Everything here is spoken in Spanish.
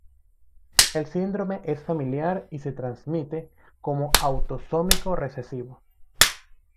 El síndrome es familiar y se transmite como autosómico recesivo.